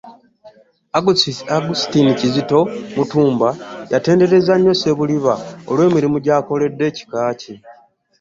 Augustine Kizito Mutumba, yatenderezza nnyo Ssebuliba olw'emirimu gyakoledde ekika kye.